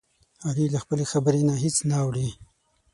علي له خپلې خبرې نه هېڅ نه اوړوي.